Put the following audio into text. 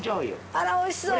あら美味しそう。